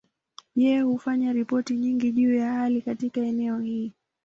Yeye hufanya ripoti nyingi juu ya hali katika eneo hili.